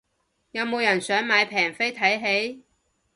有冇人想買平飛睇戲